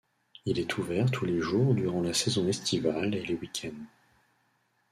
Il est ouvert tous les jours durant la saison estivale et les week-ends.